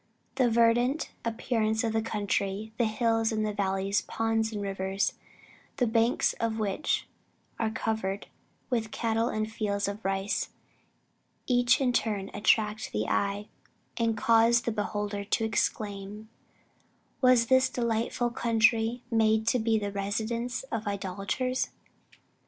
The verdant appearance of the country, the hills and valleys, ponds and rivers, the banks of which are covered with cattle and fields of rice; each in turn attract the eye, and cause the beholder to exclaim, "Was this delightful country made to be the residence of idolaters?"